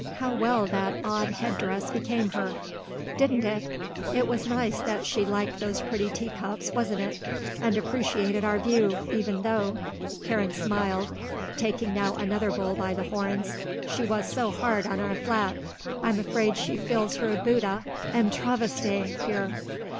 "How well that odd head dress became her." "Didn't it? It was nice that she liked those pretty teacups, wasn't it. And appreciated our view; even though," Karen smiled, taking now another bull by the horns, "she was so hard on our flat. I'm afraid she feels her Bouddha en travestie here."